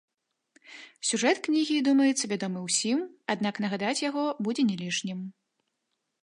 Сюжэт кнігі, думаецца, вядомы ўсім, аднак нагадаць яго будзе не лішнім.